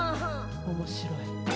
面白い。